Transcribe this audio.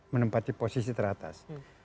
menempati posisi teratas